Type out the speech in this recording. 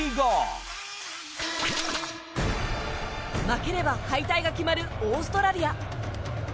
負ければ敗退が決まるオーストラリア。